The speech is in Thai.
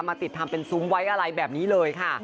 ติดทำเป็นซุ้มไว้อะไรแบบนี้เลยค่ะ